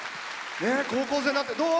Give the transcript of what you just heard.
高校生になって、どう？